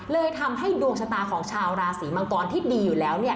เลยทำให้ดวงชะตาของชาวราศีมังกรที่ดีอยู่แล้วเนี่ย